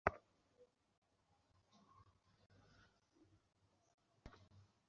নিশ্চয়ই তিনি নৌকায় আরোহণ করার পূর্বে খুন হয়েছেন।